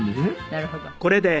なるほど。